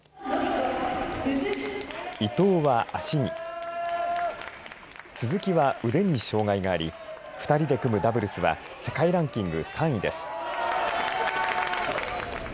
伊藤は足に鈴木は腕に障害があり２人で組むダブルスは世界ランキング３位です。